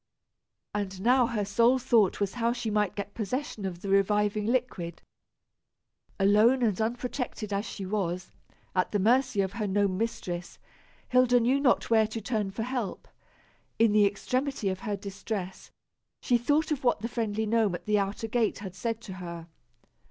And now her sole thought was how she might get possession of the reviving liquid. Alone and unprotected as she was, at the mercy of her gnome mistress, Hilda knew not where to turn for help. In the extremity of her distress, she thought of what the friendly gnome at the outer gate had said to her.